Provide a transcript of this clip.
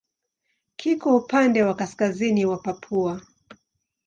Kiko upande wa kaskazini wa Papua.